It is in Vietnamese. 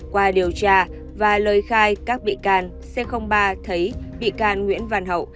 qua điều tra và lời khai các bị can c ba thấy bị can nguyễn văn hậu